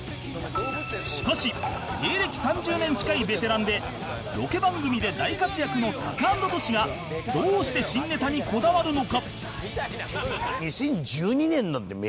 しかし芸歴３０年近いベテランでロケ番組で大活躍のタカアンドトシがどうして新ネタにこだわるのか？